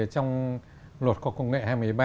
trong luật khoa học công nghệ hai mươi ba